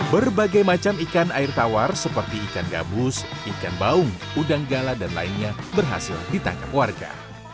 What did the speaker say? berbagai macam ikan air tawar seperti ikan gabus ikan baung udang gala dan lainnya berhasil ditangkap warga